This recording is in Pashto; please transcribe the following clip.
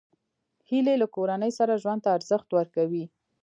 هیلۍ له کورنۍ سره ژوند ته ارزښت ورکوي